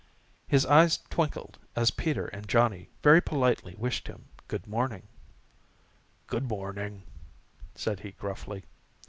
His eyes twinkled as Peter and Johnny very politely wished him good morning. "Good morning," said he gruffly.